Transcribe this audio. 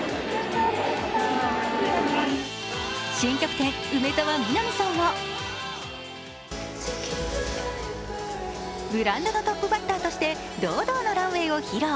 新キャプテン・梅澤美波さんはブランドのトップバッターとして堂々のランウェイを披露。